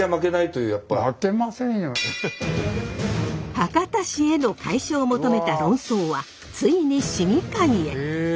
博多市への改称を求めた論争はついに市議会へ。